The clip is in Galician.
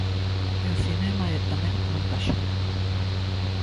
E o cinema é, tamén, montaxe.